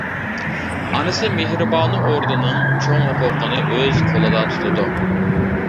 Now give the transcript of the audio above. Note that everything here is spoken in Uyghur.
ئانىسى مېھرىبانۇ ئوردىنىڭ چوڭ ھوقۇقىنى ئۆز قولىدا تۇتىدۇ.